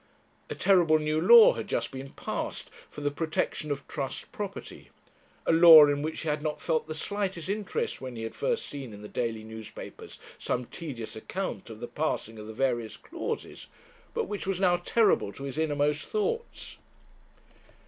A terrible new law had just been passed for the protection of trust property; a law in which he had not felt the slightest interest when he had first seen in the daily newspapers some tedious account of the passing of the various clauses, but which was now terrible to his innermost thoughts.